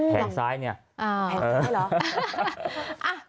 แผงข้างซ้ายหรอ